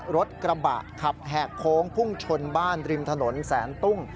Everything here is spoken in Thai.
รถกระบะขับแหกโค้งพุ่งชนบ้านริมถนนแสนตุ้ง